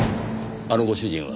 あのご主人は。